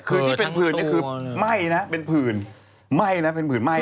คือที่เป็นผื่นนี่คือไหม้นะเป็นผื่นไหม้นะเป็นผืนไหม้